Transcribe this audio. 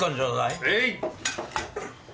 はい。